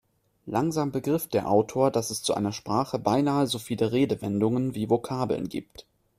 Langsam begriff der Autor, dass es zu einer Sprache beinahe so viele Redewendungen wie Vokabeln gibt.